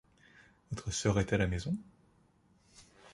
Votre sœur est à la maison ?